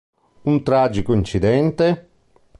Un tragico incidente?